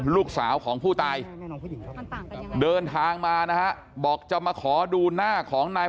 ลูกสาวของผู้ตายเดินทางมานะฮะบอกจะมาขอดูหน้าของนาย